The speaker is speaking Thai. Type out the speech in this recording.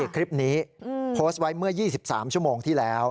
คลิปนี้โพสต์ไว้เมื่อ๒๓ชั่วโมงที่แล้ว